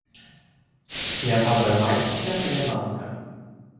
Не паддавайцеся, калі ласка.